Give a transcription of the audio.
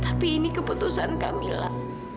tapi ini keputusan kamilah